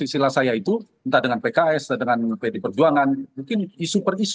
istilah saya itu entah dengan pks entah dengan pd perjuangan mungkin isu per isu